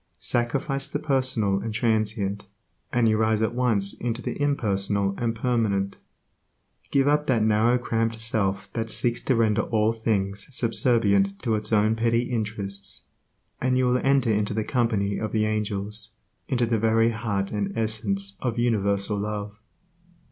Sacrifice the personal and transient, and you rise at once into the impersonal and permanent. Give up that narrow cramped self that seeks to render all things subservient to its own petty interests, and you will enter into the company of the angels, into the very heart and essence of universal Love.